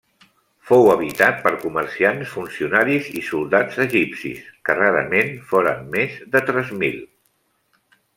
Fou habitat per comerciants, funcionaris i soldats egipcis, que rarament foren més de tres mil.